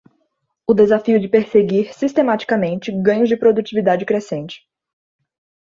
o desafio de perseguir, sistematicamente, ganhos de produtividade crescente